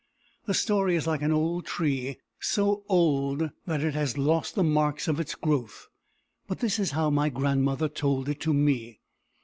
The story is like an old tree so old that it has lost the marks of its growth. But this is how my grandmother told it to me.